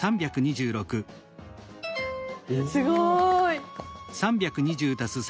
すごい。